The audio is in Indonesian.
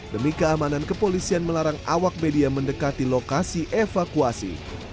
demi keamanan kepolisian melarang awak media mendekati lokasi evakuasi